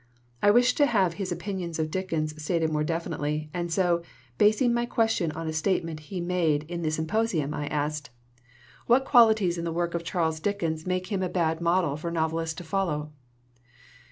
I wished to have his opinion of Dickens stated more definitely, and so, basing my question on a statement he had made in the symposium, I asked, "What qualities in the work of Charles Dickens make him a bad model for novelists to follow?"